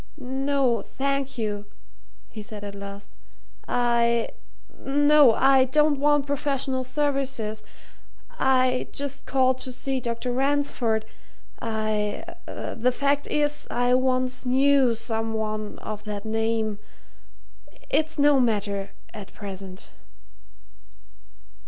"No, thank you," he said at last. "I no, I don't want professional services I just called to see Dr. Ransford I the fact is, I once knew some one of that name. It's no matter at present."